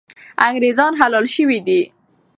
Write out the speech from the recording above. انګریزان حلال سوي دي.